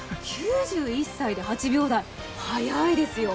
９１歳で８秒台、速いですよ。